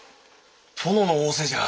殿の仰せじゃ。